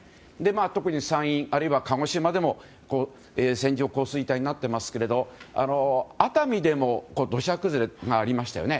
特に山陰あるいは鹿児島でも線状降水帯になっていますけれども熱海でも土砂崩れがありましたよね。